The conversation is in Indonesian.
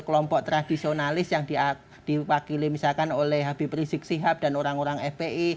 kelompok tradisionalis yang diwakili misalkan oleh habib rizik sihab dan orang orang fpi